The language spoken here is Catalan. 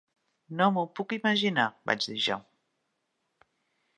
"No m'ho puc imaginar", vaig dir jo.